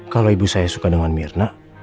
kalau ibu saya suka dengan mirna